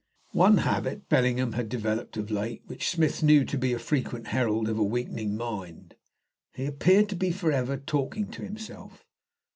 One habit Bellingham had developed of late which Smith knew to be a frequent herald of a weakening mind. He appeared to be forever talking to himself.